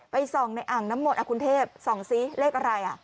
ส่องในอ่างน้ำมนต์กรุงเทพส่องซิเลขอะไร